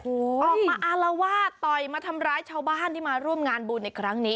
ออกมาอารวาสต่อยมาทำร้ายชาวบ้านที่มาร่วมงานบุญในครั้งนี้